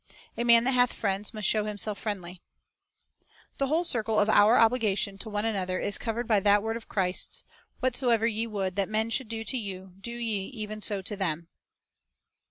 '" "A man that hath friends must show himself friendly. '' a The whole circle of our obligation to one another is covered by that word of Christ's, "Whatsoever ye would that men should do to you, do ye even so to them."